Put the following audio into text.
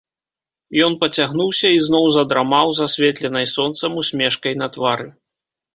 Ён пацягнуўся і зноў задрамаў з асветленай сонцам усмешкай на твары.